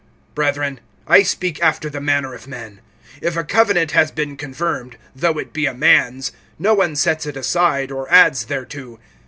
(15)Brethren, I speak after the manner of men. If a covenant has been confirmed, though it be a man's, no one sets it aside, or adds thereto.